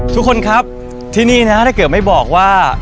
ทุกคนครับที่นี่นะถ้าเกิดไม่บอกว่า